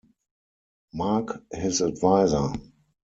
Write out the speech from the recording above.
Mark, his adviser.